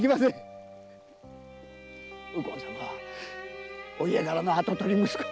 右近様はお家柄の跡取り息子